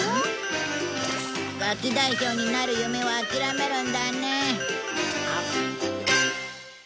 ガキ大将になる夢は諦めるんだね。